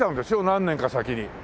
何年か先に。